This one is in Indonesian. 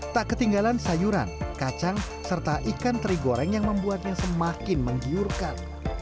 tak ketinggalan sayuran kacang serta ikan teri goreng yang membuatnya semakin menggiurkan